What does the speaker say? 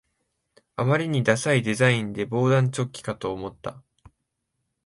あまりにダサいデザインで防弾チョッキかと思った